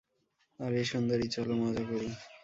আরে, সুন্দরী, চল মজা করি।